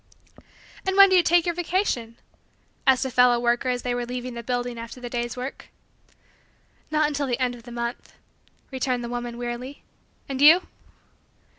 "And when do you take your vacation?" asked a fellow worker as they were leaving the building after the day's work. "Not until the last of the month," returned the woman wearily. "And you?"